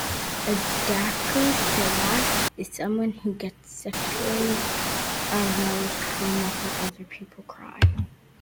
A dacryphiliac is someone who gets sexually aroused from watching other people cry.